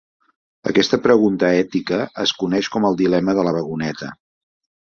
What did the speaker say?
Aquesta pregunta ètica es coneix com el dilema de la vagoneta.